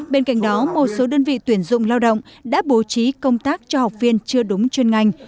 bên cạnh đó một số đơn vị tuyển dụng lao động đã bố trí công tác cho học viên chưa đúng chuyên ngành